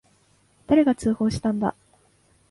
誰が通報したんだ。